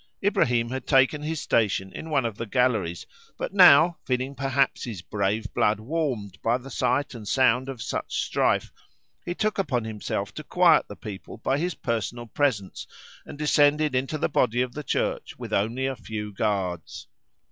Ibrahim had taken his station in one of the galleries, but now, feeling perhaps his brave blood warmed by the sight and sound of such strife, he took upon himself to quiet the people by his personal presence, and descended into the body of the church with only a few guards.